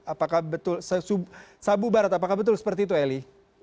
apakah betul sabu barat apakah betul seperti itu eli